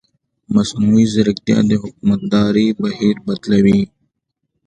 مصنوعي ځیرکتیا د حکومتدارۍ بهیر بدلوي.